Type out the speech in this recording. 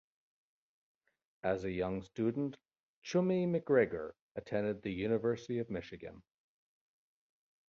As a young student, Chummy MacGregor attended the University of Michigan.